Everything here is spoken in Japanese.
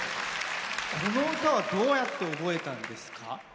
この歌はどうやって覚えたんですか？